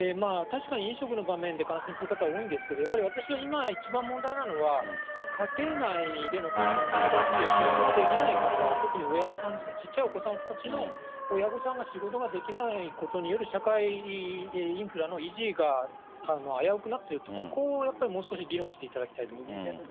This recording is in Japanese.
確かに飲食の場面で感染する方が多いんですけれども、私は今、一番問題なのは、家庭内での感染が広がって、仕事ができない方、特に親御さんですね、ちっちゃいお子さんをお持ちの親御さんが仕事ができないことによる社会インフラの維持が危うくなっていると、ここをやっぱり、もう少し議論していただきたいと思います。